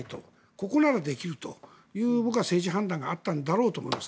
ここならできるという僕は政治判断があったんだろうと思います。